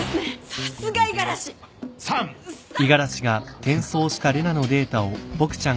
さすが五十嵐！さん！